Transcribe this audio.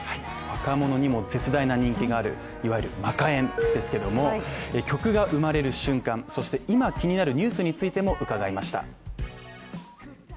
若者にも絶大な人気があるいわゆるマカえんですけれども曲が生まれる瞬間、そして今気になるニュースについても伺いました。